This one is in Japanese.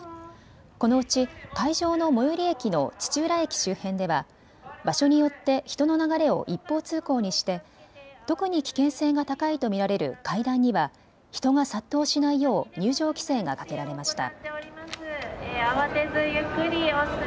このうち会場の最寄り駅の土浦駅周辺では、場所によって人の流れを一方通行にして特に危険性が高いと見られる階段には人が殺到しないよう入場規制がかけられました。